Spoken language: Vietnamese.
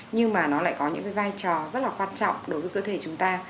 nhưng mà nó lại có những cái vai trò rất là quan trọng đối với cơ thể chúng ta